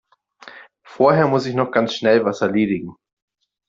Vorher muss ich noch ganz schnell was erledigen.